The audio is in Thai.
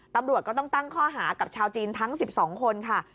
ตำรวจก็ต้องตั้งข้อหากับชาวจีนทั้ง๑๒คนค่ะ